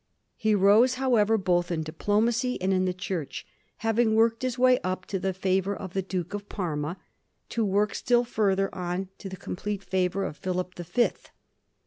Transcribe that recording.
He rose, however, both in diplo macy and in the Church, having worked his way up to the favour of the Duke of Parma, to work still further on to the complete favour of Philip the Fifth.